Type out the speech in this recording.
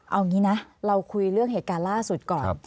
เอางี้นะเราคุยเรื่องเหตุการณ์ล่าสุดก่อน